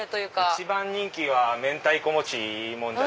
一番人気は明太子もちもんじゃ。